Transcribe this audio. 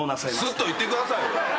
すっと言ってください。